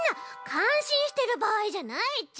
かんしんしてるばあいじゃないち。